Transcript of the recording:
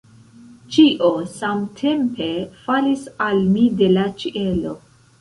Ĉio samtempe falis al mi de la ĉielo.